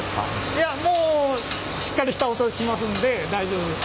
いやもうしっかりした音しますんで大丈夫です。